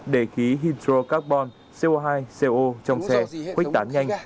để khí hydrocarbon co hai co trong xe khuếch tán nhanh